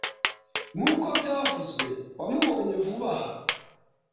Nkuko byavuzwe, wamubonye vuba aha?